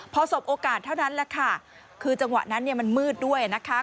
พอสบโอกาสเท่านั้นแหละค่ะคือจังหวะนั้นเนี่ยมันมืดด้วยนะคะ